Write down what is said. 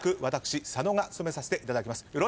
私佐野が務めさせていただきます。